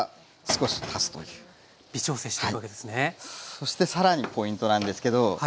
そしてさらにポイントなんですけど。